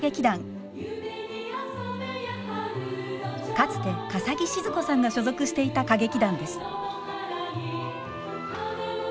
かつて笠置シヅ子さんが所属していた歌劇団です。